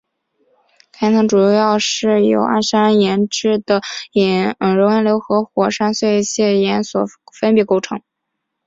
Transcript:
其岩层主要是由安山岩质的熔岩流和火山碎屑岩所分别构成。